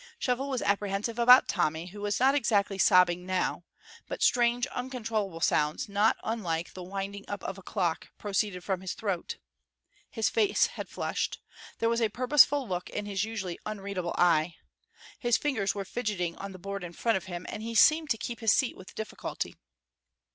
Shovel was apprehensive about Tommy, who was not exactly sobbing now; but strange, uncontrollable sounds not unlike the winding up of a clock proceeded from his throat; his face had flushed; there was a purposeful look in his usually unreadable eye; his fingers were fidgeting on the board in front of him, and he seemed to keep his seat with difficulty.